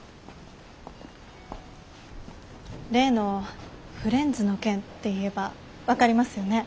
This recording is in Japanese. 例のフレンズの件って言えば分かりますよね。